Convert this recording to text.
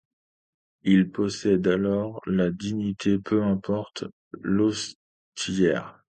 Il possède alors la dignité peu importante d'ostiaire.